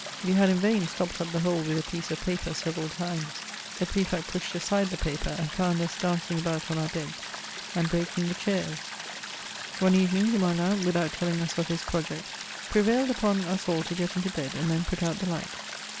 '' We had in vain stopped up the hole with a piece of paper several times ; the Prefect pushed aside the paper, and found us dancing about on our beds and breaking the chairs. One evening, Limoelan, without telling us of his project, prevailed upon us all to gefr into bed, and then put out the light.